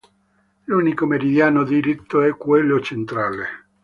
L'unico meridiano diritto è quello centrale.